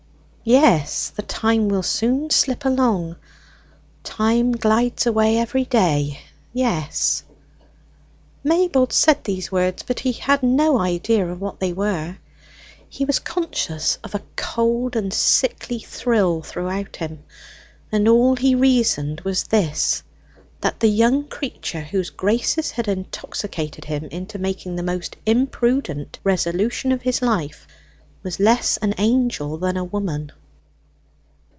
"Yes, the time will soon slip along Time glides away every day yes." Maybold said these words, but he had no idea of what they were. He was conscious of a cold and sickly thrill throughout him; and all he reasoned was this that the young creature whose graces had intoxicated him into making the most imprudent resolution of his life, was less an angel than a woman.